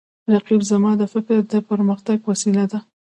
رقیب زما د فکر د پرمختګ وسیله ده